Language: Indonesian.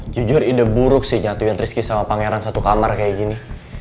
jujur ide buruk sih nyatuin rizky sama pangeran satu kamar kayak gini